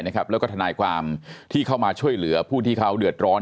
แล้วก็ทนายความที่เข้ามาช่วยเหลือผู้ที่เขาเดือดร้อน